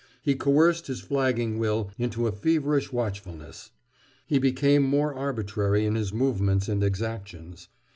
He coerced his flagging will into a feverish watchfulness. He became more arbitrary in his movements and exactions.